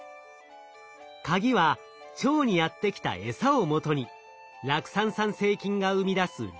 カギは腸にやって来たエサをもとに酪酸産生菌が生み出す酪酸。